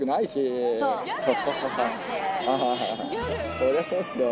そりゃそうっすよ。